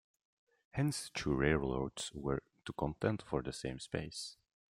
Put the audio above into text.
Hence the two railroads were to contend for the same space.